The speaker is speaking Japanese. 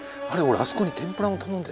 俺あそこに天ぷらも頼んで。